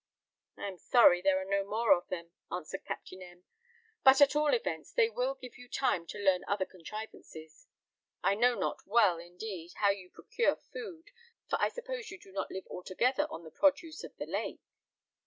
"I am sorry there are no more of them," answered Captain M ; "but at all events they will give you time to learn other contrivances. I know not well, indeed, how you procure food, for I suppose you do not live altogether on the produce of the lake."